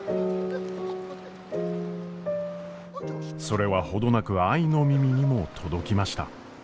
それは程なく愛の耳にも届きました。